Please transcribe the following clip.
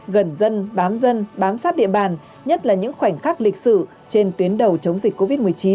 gần dân bám dân bám sát địa bàn nhất là những khoảnh khắc lịch sử trên tuyến đầu chống dịch covid một mươi chín